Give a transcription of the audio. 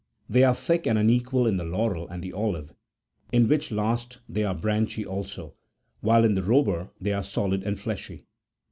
They are thick and unequal in the laurel and the olive, in which last they are branchy also ; while in the robur they are solid and fleshy.